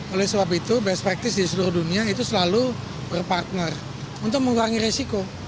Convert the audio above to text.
oleh sebab itu best practice di seluruh dunia itu selalu berpartner untuk mengurangi resiko